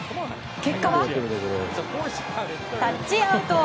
結果はタッチアウト。